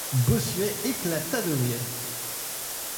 Bossuet éclata de rire.